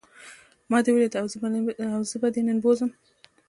ما دی وليد او زه به نن دی بوځم.